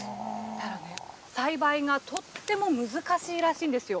ただね、栽培がとっても難しいらしいんですよ。